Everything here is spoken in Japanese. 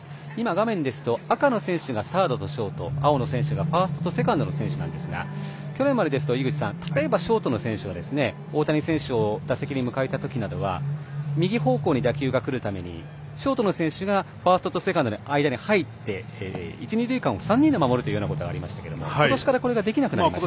画面ですと赤がサードとショート、青がファーストとセカンドの選手なんですが去年までですと、例えばショートの選手が、大谷選手を打席に迎えた時など右方向に打球がくるためにショートの選手がファーストとセカンドの間に入って一、二塁間を３人で守るということがありましたが今年からこれができなくなりました。